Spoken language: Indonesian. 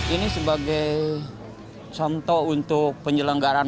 ini sebagai contoh untuk penyelenggaran